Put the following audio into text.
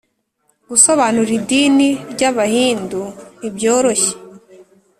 gusobanura idini ry’abahindu ntibyoroshye